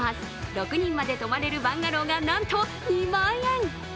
６人まで泊まれるバンガローが、なんと２万円。